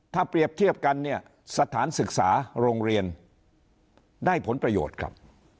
ถ้าเปรียบเทียบกันเนี่ยสถานศึกษาโรงเรียนได้ผลประโยชน์ครับ